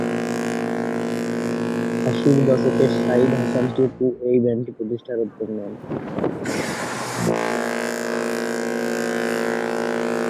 আশির দশকে সাইদ হাসান টিপু এই ব্যান্ডটি প্রতিষ্ঠার উদ্যোগ নেন।